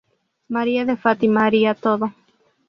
Maria de Fátima haría todo.